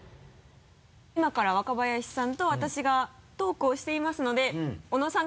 今から若林さんと私がトークをしていますので小野さん